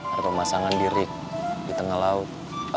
ada pemasangan di rick di tengah laut